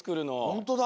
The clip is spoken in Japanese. ほんとだ。